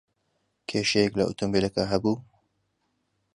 کێشەیەک لە ئۆتۆمۆبیلەکە ھەبوو؟